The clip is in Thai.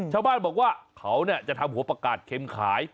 ชาวบ้านบอกว่าเขาจะทำหัวประกาศเข็มขาย